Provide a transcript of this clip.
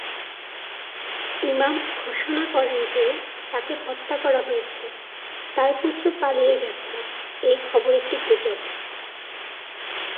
ইমাম ঘোষণা করেন যে, তাকে হত্যা করা হয়েছে, তার পুত্র পালিয়ে গেছে, এই খবর একটি গুজব।